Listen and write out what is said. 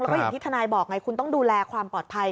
แล้วก็อย่างที่ทนายบอกไงคุณต้องดูแลความปลอดภัย